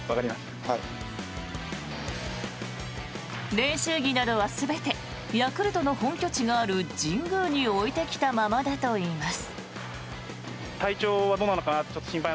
練習着などは全てヤクルトの本拠地がある神宮に置いてきたままだといいます。